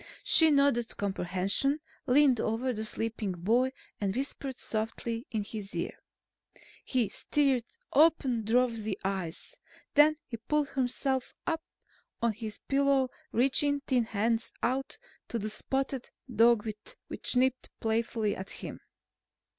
She nodded comprehension, leaned over the sleeping boy and whispered softly in his ear. He stirred, opened drowsy eyes. Then he pulled himself up on his pillow, reaching thin hands out to the spotted dog which nipped playfully at him.